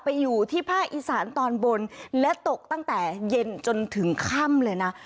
อยู่ที่ภาคอีสานตอนบนและตกตั้งแต่เย็นจนถึงค่ำเลยนะ